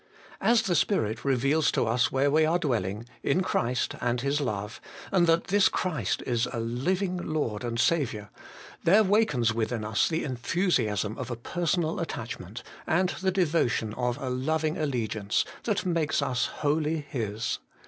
As the Spirit reveals to us where we are dwelling, in Christ and His love, and that this Christ is a living Lord and Saviour, there wakens within us the enthusiasm of a personal attachment, and the devo tion of a loving allegiance, that make us wholly His.